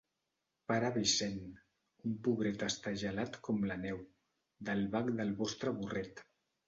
Pare Vicent, un pobret està gelat com la neu, del bac del vostre burret.